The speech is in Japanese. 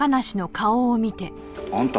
あんた。